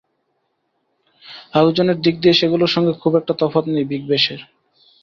আয়োজনের দিক দিয়ে সেগুলোর সঙ্গে খুব একটা তফাত নেই বিগ ব্যাশের।